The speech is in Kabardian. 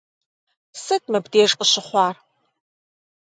Сыт мыбдеж къыщыхъуар?